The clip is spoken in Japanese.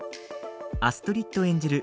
アストリッド演じる